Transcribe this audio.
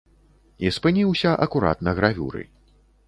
І спыніўся акурат на гравюры.